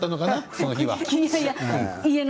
その日は。